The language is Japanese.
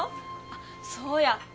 あっそうや。